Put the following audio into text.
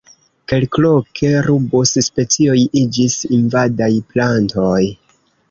Kelkloke rubus-specioj iĝis invadaj plantoj.